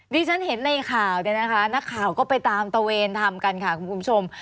ที่ฉันเห็นในข่าวเนี่ยนะคะนักข่าวก็ไปตามตะเวนทำกันค่ะคุณผู้ชม